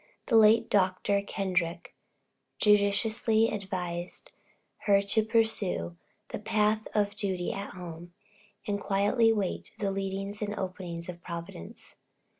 The late Dr. Kendrick judiciously advised her to pursue the path of duty at home, and quietly wait the leadings and openings of Providence.